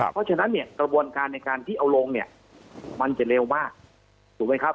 เพราะฉะนั้นเนี่ยกระบวนการในการที่เอาลงเนี่ยมันจะเร็วมากถูกไหมครับ